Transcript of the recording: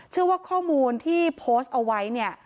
เชื่อว่าข้อมูลที่โพสต์เอาไว้เนี่ย